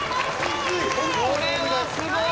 これはすごい！